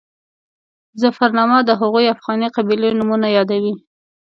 ظفرنامه د هغو افغاني قبیلو نومونه یادوي.